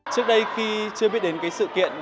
trước đây khi chưa biết đến sự kiện